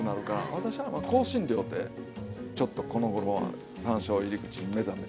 私は香辛料ってちょっとこのごろはさんしょう入り口に目覚めて。